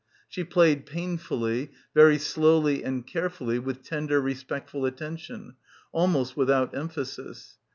She played pain fully, very slowly and carefully, with tender respectful attention, almost without emphasis.